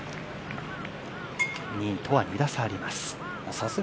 ２位とは２打差あります。